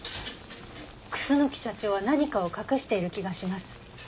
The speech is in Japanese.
楠木社長は何かを隠している気がします。